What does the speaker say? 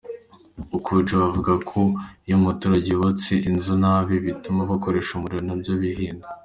Okju avuga ko iyo umuturage yubatse inzu na bi, bituma gukoresha umuriro nabyo bihenda.